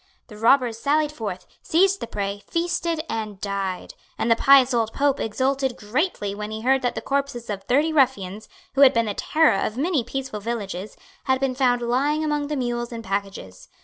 The robbers sallied forth, seized the prey, feasted and died; and the pious old Pope exulted greatly when he heard that the corpses of thirty ruffians, who had been the terror of many peaceful villages, had been found lying among the mules and packages.